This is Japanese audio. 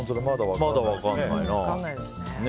まだ分からないな。